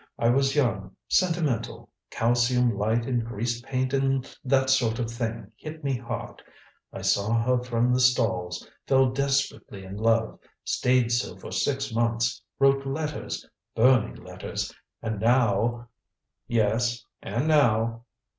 I was young sentimental calcium light and grease paint and that sort of thing hit me hard. I saw her from the stalls fell desperately in love stayed so for six months wrote letters burning letters and now " "Yes and now?"